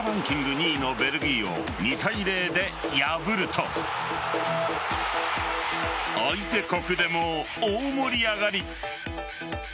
２位のベルギーを２対０で破ると相手国でも大盛り上がり。